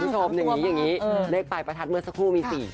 คุณผู้ชมอย่างนี้อย่างนี้เลขปลายประทัดเมื่อสักครู่มี๔